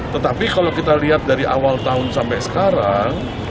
tetapi kalau kita lihat dari awal tahun sampai sekarang